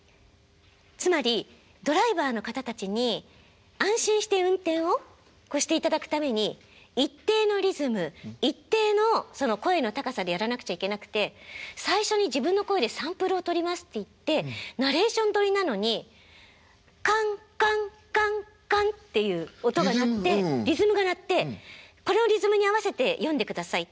つまりドライバーの方たちに安心して運転をしていただくために一定のリズム一定の声の高さでやらなくちゃいけなくて最初に自分の声でサンプルをとりますっていってナレーションどりなのに「かんかんかんかん」っていう音が鳴ってリズムが鳴って「このリズムに合わせて読んでください」って。